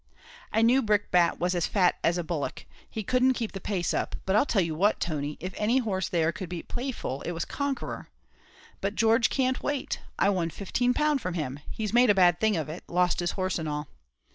"I knew Brickbat was as fat as a bullock; he couldn't keep the pace up; but I'll tell you what, Tony, if any horse there could beat Playful, it was Conqueror. But George can't wait I win fifteen pound from him he's made a bad thing of it lost his horse and all."